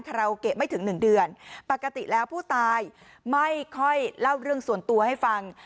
ราโอเกะไม่ถึงหนึ่งเดือนปกติแล้วผู้ตายไม่ค่อยเล่าเรื่องส่วนตัวให้ฟัง